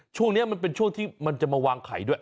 ช่วงนี้มันเป็นช่วงที่มันจะมาวางไข่ด้วย